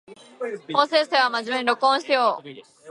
法政生は真面目に録音しよう